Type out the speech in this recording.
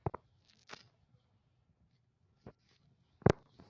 তিনি ধীরে ধীরে সার্বভৌমত্বের প্রতীক হয়ে ওঠেন।